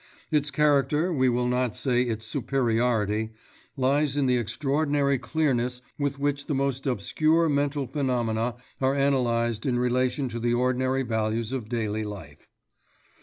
Its character, we will not say its superiority, lies in the extraordinary clearness with which the most obscure mental phenomena are analysed in relation to the ordinary values of daily life.